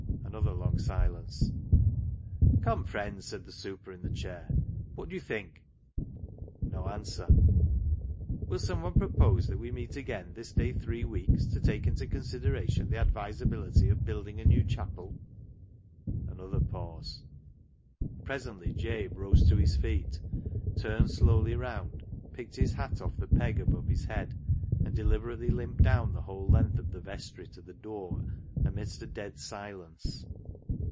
Another long silence. " Come, friends," said the " super" in the chair ;" What do you think ?" No answer. " Will some one propose that we meet again this day three weeks to take into consideration the advisability of building a new chapel ?" Another pause. Presently Jabe rose to his feet, turned slowly round, picked his hat off the peg above his head, and deliberately limped down the whole length of the vestry to the door amidst a dead silence.